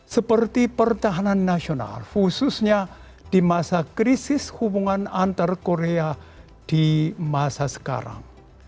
seperti pertahanan nasional khususnya di masa krisis hubungan antar korea di masa sekarang